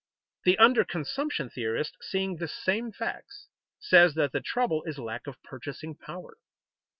The under consumption theorist, seeing the same facts, says that the trouble is lack of purchasing power.